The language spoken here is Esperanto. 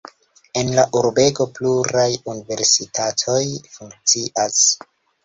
En la urbego pluraj universitatoj funkcias.